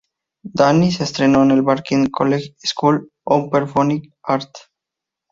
Danny se entrenó en el "Barking College School of Performing Arts".